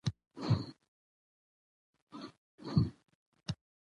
مثبت او له ستاينې ډک دي